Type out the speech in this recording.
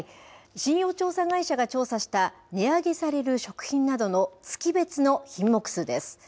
信用調査会社が調査した値上げされる食品などの月別の品目数です。